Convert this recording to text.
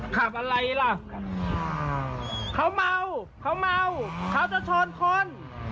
เขาเหมาเขาเชิญคน